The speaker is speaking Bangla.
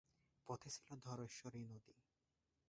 পথে ছিল ধলেশ্বরী নদী।